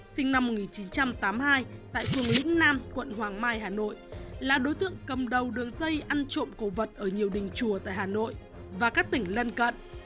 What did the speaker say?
sinh năm một nghìn chín trăm tám mươi hai tại phường lĩnh nam quận hoàng mai hà nội là đối tượng cầm đầu đường dây ăn trộm cổ vật ở nhiều đình chùa tại hà nội và các tỉnh lân cận